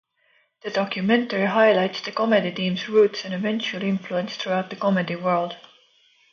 The documentary highlights the comedy teams roots and eventual influence throughout the comedy world.